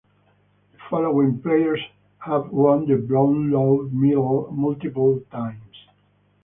The following players have won the Brownlow Medal multiple times.